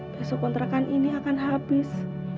besok kontrakan ini akan habis